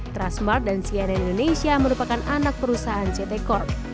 transmart dan cnn indonesia merupakan anak perusahaan ct corp